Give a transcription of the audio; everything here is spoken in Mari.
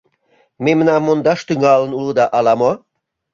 Мемнам мондаш тӱҥалын улыда ала-мо?